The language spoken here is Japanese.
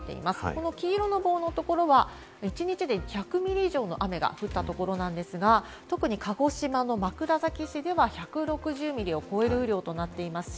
この黄色の棒のところは一日で１００ミリ以上の雨が降ったところなんですが、特に鹿児島の枕崎市では１６０ミリを超える雨量となっています。